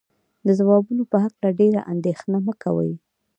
د ځوابونو په هکله ډېره اندېښنه مه کوئ.